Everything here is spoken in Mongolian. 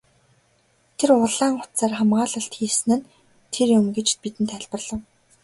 Тэр улаан утсаар хамгаалалт хийсэн нь тэр юм гэж бидэнд тайлбарлав.